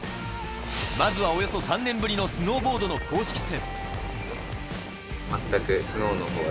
まずはおよそ３年ぶりのスノーボードの公式戦。